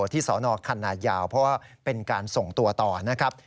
สนคันนายาวเพราะว่าเป็นการส่งตัวต่อนะครับ